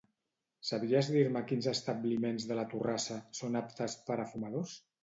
Sabries dir-me quins establiments de la Torrassa són aptes per a fumadors?